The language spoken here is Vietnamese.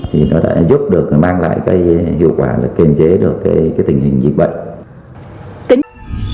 thì nó đã giúp được mang lại cái hiệu quả là kiềm chế được cái tình hình dịch bệnh tính